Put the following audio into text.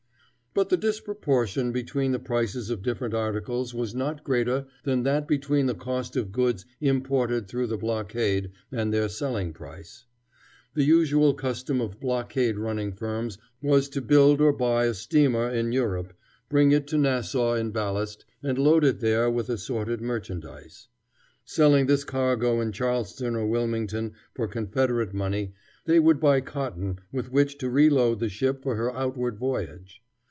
But the disproportion between the prices of different articles was not greater than that between the cost of goods imported through the blockade and their selling price. The usual custom of blockade running firms was to build or buy a steamer in Europe, bring it to Nassau in ballast, and load it there with assorted merchandise. Selling this cargo in Charleston or Wilmington for Confederate money, they would buy cotton with which to reload the ship for her outward voyage.